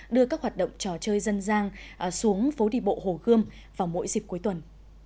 đưa các hoạt động trò chơi dân gian xuống phố đi bộ hồ gươm vào mỗi dịp cuối tuần